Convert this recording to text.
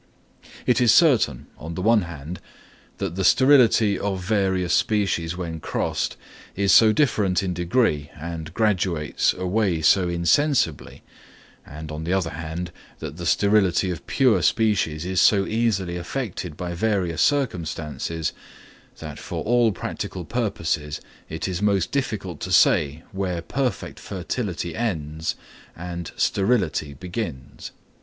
It is certain, on the one hand, that the sterility of various species when crossed is so different in degree and graduates away so insensibly, and, on the other hand, that the fertility of pure species is so easily affected by various circumstances, that for all practical purposes it is most difficult to say where perfect fertility ends and sterility begins.